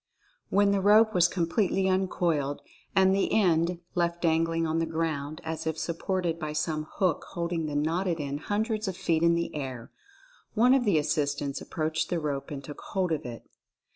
When the rope was completely uncoiled, and the end left dangling on the ground as if supported by some hook holding the knotted end hundreds of feet up in the air, one of the assistants approached the rope and took hold of it.